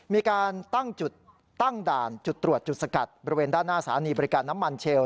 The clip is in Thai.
มีการตั้งจุดตั้งด่านจุดตรวจจุดสกัดบริเวณด้านหน้าสถานีบริการน้ำมันเชลล